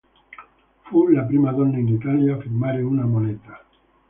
Fu la prima donna in Italia a firmare una moneta.